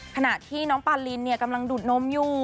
ขณะที่น้องปาลินกำลังดูดนมอยู่